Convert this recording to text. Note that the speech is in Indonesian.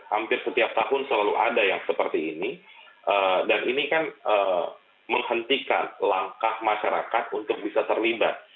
hampir setiap tahun selalu ada yang seperti ini dan ini kan menghentikan langkah masyarakat untuk bisa terlibat